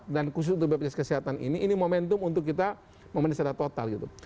dan khusus untuk bpjs kesehatan ini ini momentum untuk kita memenangkan secara total gitu